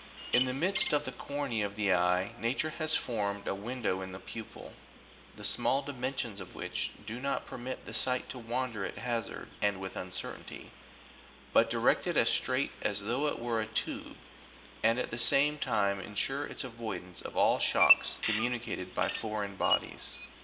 In the midst of the cornea of the eye Nature has formed a window in the pupil, the small dimensions of which do not permit the sight to wander at hazard and with uncertainty, but direct it as straight as though it were through a tube, and at the same time ensure its avoidance of all shocks com municated by foreign bodies.